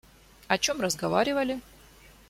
О чем разговаривали?